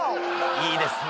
いいですね